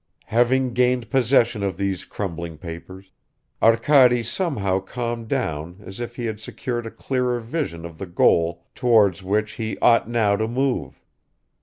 Having gained possession of these crumbling papers, Arkady somehow calmed down as if he had secured a clearer vision of the goal towards which he ought now to move.